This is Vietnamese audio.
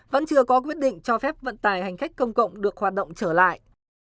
vẫn chưa có quyết định cho phép vận tải hành khách công cộng được hoạt động trở lại